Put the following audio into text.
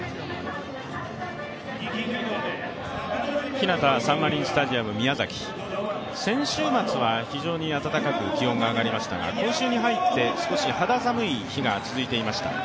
ひなたサンマリンスタジアム宮崎、先週末は非常に暖かく気温が上がりましたが、今週に入って少し肌寒い日が続いていました。